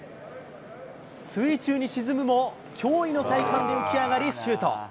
水中に沈むも、驚異の体幹で浮き上がりシュート。